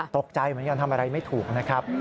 ตกใจเหมือนกันทำอะไรไม่ถูกนะครับ